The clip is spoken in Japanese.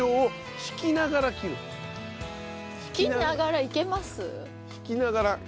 引きながらいけます？